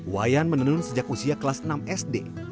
wayan menenun sejak usia kelas enam sd